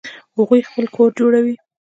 هغوی خپل کور جوړوي